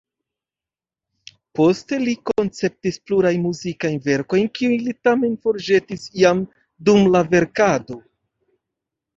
Poste li konceptis plurajn muzikajn verkojn, kiujn li tamen forĵetis jam dum la verkado.